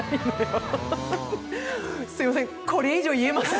すみません、これ以上言えません。